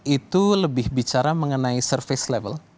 itu lebih bicara mengenai service level